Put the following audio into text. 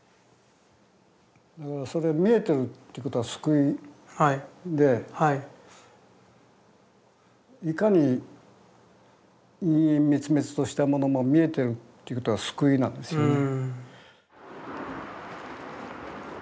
だからそれ見えてるってことは救いでいかに陰陰滅滅としたものも見えてるっていうことは救いなんですよね。